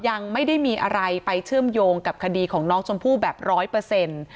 ยังไม่ได้มีอะไรไปเชื่อมโยงกับคดีของน้องชมพู่แบบร้อยเปอร์เซ็นต์